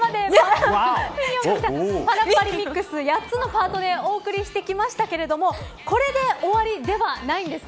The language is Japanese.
パラッパ・リミックス８つのパートでお送りできましたけれどもこれで終わりではないんです。